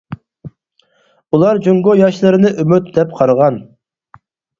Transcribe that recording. ئۇلار جۇڭگو ياشلىرىنى ئۈمىد دەپ قارىغان.